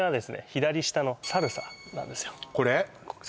左下のサルサなんですよこれ？